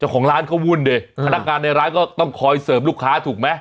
เจ้าของร้านเขาวุ่นดิอืมถ้านักงานในร้านก็ต้องคอยเสริมลูกค้าถูกไหม